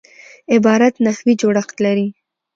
عبارت نحوي جوړښت لري.